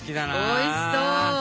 おいしそう！